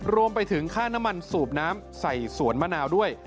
รวมไปถึงค่าน้ำมันสูบน้ำใส่สวนมะนาวด้วย